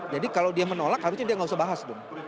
jadi kalau dia menolak artinya dia tidak usah bahas